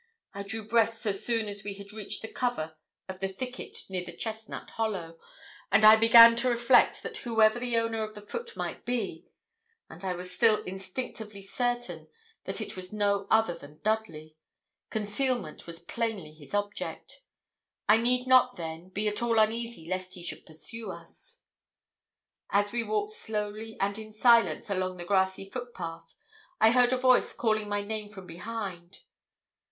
I drew breath so soon as we had reached the cover of the thicket near the chestnut hollow, and I began to reflect that whoever the owner of the foot might be and I was still instinctively certain that it was no other than Dudley concealment was plainly his object. I need not, then, be at all uneasy lest he should pursue us. As we walked slowly and in silence along the grassy footpath, I heard a voice calling my name from behind.